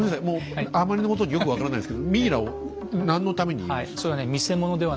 もうあまりのことによく分からないんですけどミイラを何のために輸入するの？